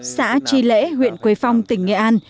xã tri lễ huyện quế phong tỉnh nghệ an